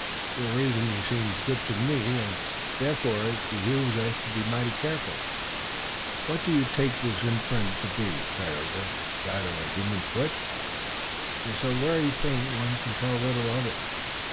"Your reasoning seems good to me, and, therefore, it behooves us to be mighty careful. What do you take this imprint to be, Tayoga? Is it that of a human foot?" "It is so very faint one can tell little of it.